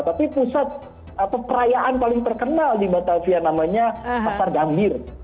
tapi pusat perayaan paling terkenal di batavia namanya pasar gambir